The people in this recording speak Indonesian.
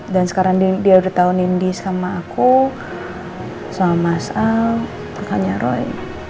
dan sekarang dia udah tau nindi sama aku sama mas al anaknya roy